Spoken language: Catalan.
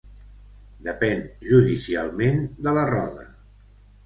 Depèn judicialment de La Roda.